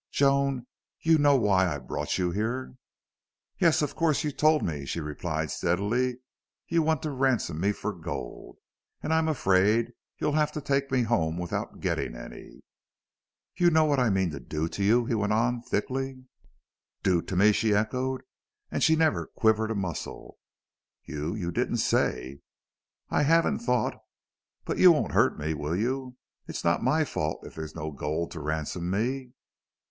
"Joan! You know why I brought you here?" "Yes, of course; you told me," she replied, steadily. "You want to ransom me for gold.... And I'm afraid you'll have to take me home without getting any." "You know what I mean to do to you," he went on, thickly. "Do to me?" she echoed, and she never quivered a muscle. "You you didn't say.... I haven't thought.... But you won't hurt me, will you? It's not my fault if there's no gold to ransom me."